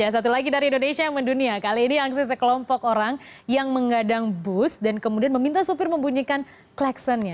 satu lagi dari indonesia yang mendunia kali ini yang sesekelompok orang yang mengadang bus dan kemudian meminta sopir membunyikan klaxonnya